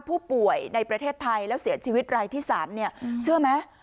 ผู้ป่วยในประเทศไทยแล้วเสียชีวิตรายที่๓เนี่ยเชื่อไหม